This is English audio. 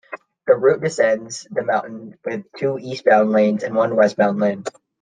The route descends the mountain with two eastbound lanes and one westbound lane.